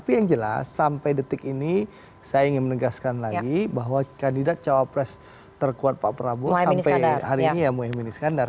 tapi yang jelas sampai detik ini saya ingin menegaskan lagi bahwa kandidat cawapres terkuat pak prabowo sampai hari ini ya muhyiddin iskandar